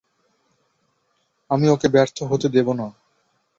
আমি ওকে ব্যর্থ হতে দেব না।